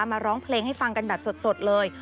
มาร้องเพลงให้ฟังกันแบบสดเลย